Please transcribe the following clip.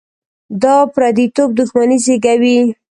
دا پرديتوب دښمني زېږوي.